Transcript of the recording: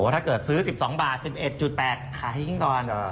ถ้าเกิดซื้อ๑๒บาท๑๑๘บาทขายให้ทิ้งตอน